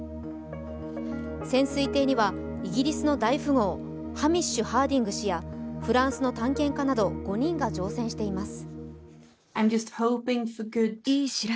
潜水艇にはイギリスの大富豪ハミッシュ・ハーディング氏やフランスの探検家など５人が乗船しています。